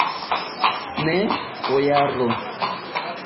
Ne, bojaro.